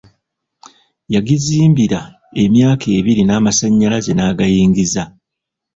Yagizimbira emyaka ebbiri n'amasanyalaze n'agayingiza.